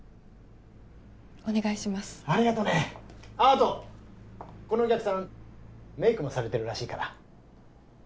あとこのお客さんメイクもされてるらしいから。